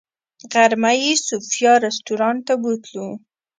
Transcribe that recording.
غرمه یې صوفیا رسټورانټ ته بوتلو.